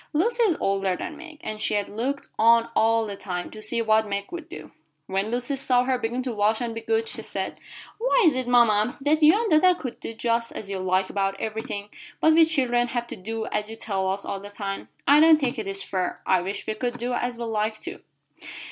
Lucy is older than Meg, and she had looked on all the time to see what Meg would do. When Lucy saw her begin to wash and be good, she said: "Why is it, mama, that you and dada can do just as you like about everything, but we children have to do as you tell us all the time? I don't think it is fair. I wish we could do as we like, too."